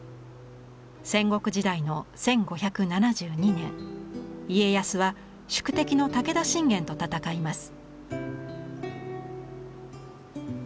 戦国時代の１５７２年家康は宿敵の武田信玄と戦います。